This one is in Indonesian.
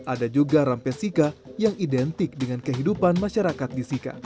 ada juga rampe sika yang identik dengan kehidupan masyarakat di sika